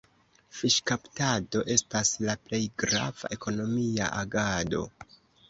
Fiŝkaptado estas la plej grava ekonomia agado.